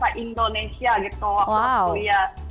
bahasa indonesia gitu waktu kuliah